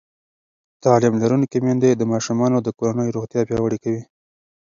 تعلیم لرونکې میندې د ماشومانو د کورنۍ روغتیا پیاوړې کوي.